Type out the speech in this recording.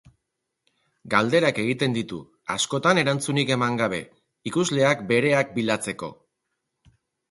Galderak egiten ditu, askotan erantzunik eman gabe, ikusleak bereak bilatzeko.